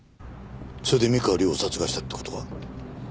それで三河亮を殺害したって事か？